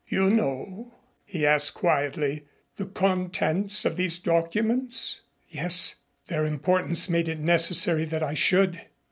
"You know," he asked quietly, "the contents of these documents?" "Yes. Their importance made it necessary that I should."